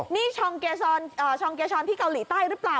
นี่ชองเกชอนที่เกาหลีใต้หรือเปล่า